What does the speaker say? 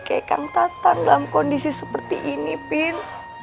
kayak kang tatan dalam kondisi seperti ini bin